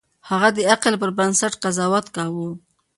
هغه د عقل پر بنسټ قضاوت کاوه.